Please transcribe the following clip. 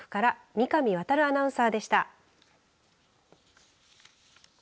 静岡局から三上弥アナウンサーでした。